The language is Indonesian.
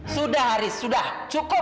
sudah haris sudah cukup